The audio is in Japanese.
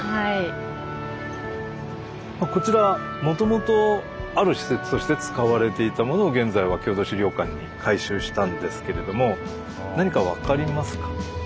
こちらもともとある施設として使われていたものを現在は郷土資料館に改修したんですけれども何か分かりますか？